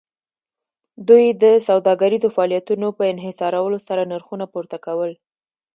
دوی د سوداګریزو فعالیتونو په انحصارولو سره نرخونه پورته کول